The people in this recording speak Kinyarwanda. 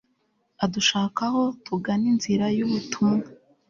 adushakaho; tugane inzira y'ubutumwa